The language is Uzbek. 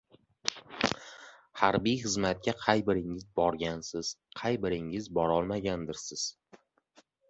Harbiy xizmatga qay biringiz borgansiz, qay biringiz borolmagandirsiz.